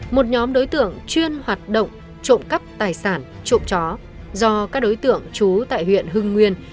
một nhóm đối tượng chuyên hoạt động trộm cắp tài sản trộm chó do các đối tượng trú tại huyện hưng nguyên